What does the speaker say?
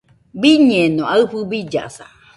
Biñeno aɨfɨ billasa.